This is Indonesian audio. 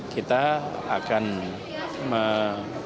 kita akan menangkapnya